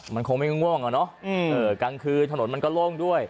มันคงไม่ง่วงอ่ะเนอะกลางคืนถนนมันก็โล่งด้วย